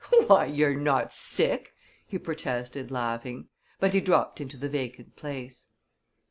"Why, you're not sick!" he protested, laughing, but he dropped into the vacant place.